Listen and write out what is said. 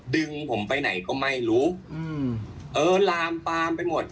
ดึงผมไปไหนก็ไม่รู้อืมเออลามปามไปหมด